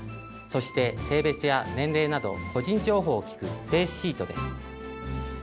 そして性別や年齢など個人情報を聞く「フェイスシート」です。